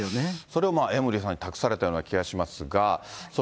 それを江森さんに託されたような気がしますが。